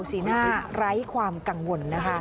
สีหน้าไร้ความกังวลนะคะ